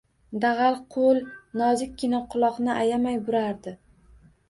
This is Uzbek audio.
Dag‘al qo‘l nozikkina quloqni ayamay burardi.